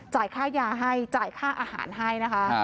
ค่ายาให้จ่ายค่าอาหารให้นะคะ